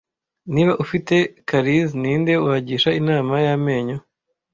Niba ufite karies ninde wagisha inama y'amenyo